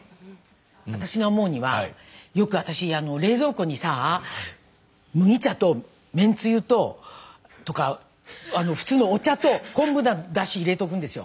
私が思うにはよく私冷蔵庫にさあ麦茶とめんつゆととか普通のお茶と昆布だし入れとくんですよ。